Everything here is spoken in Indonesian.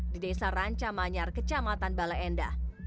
di desa ranca manyar kecamatan bale endah